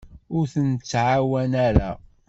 Ur ten-nettɛawan ara.